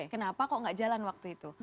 kenapa kok nggak jalan waktu itu